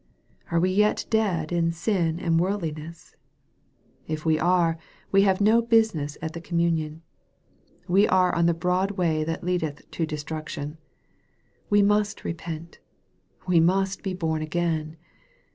Are we yet dead in sin and worldliness ? If we are, we have no business at the communion. We are on the broad way that leadeth to destruction. We must repent. We must be born again.